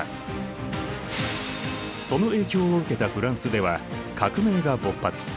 その影響を受けたフランスでは革命が勃発。